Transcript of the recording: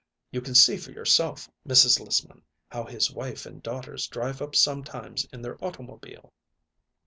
You can see for yourself, Mrs. Lissman, how his wife and daughters drive up sometimes in their automobile."